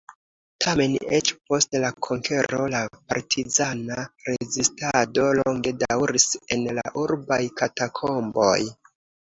Tamen, eĉ post la konkero la partizana rezistado longe daŭris en la urbaj katakomboj.